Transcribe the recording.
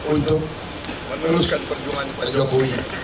untuk meneruskan perjuangan pak jokowi